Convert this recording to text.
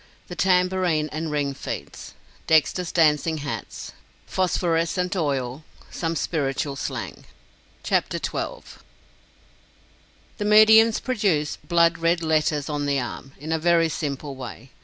THE TAMBOURINE AND RING FEATS. DEXTER'S DANCING HATS. PHOSPHORESCENT OIL. SOME SPIRITUAL SLANG. The mediums produce "blood red letters on the arm" in a very simple way.